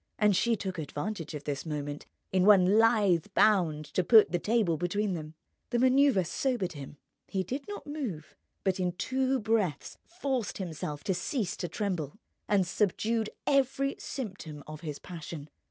And she took advantage of this moment in one lithe bound to put the table between them. The manoeuvre sobered him. He did not move, but in two breaths forced himself to cease to tremble, and subdued every symptom of his passion.